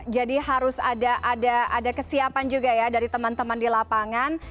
jadi harus ada kesiapan juga ya dari teman teman di lapangan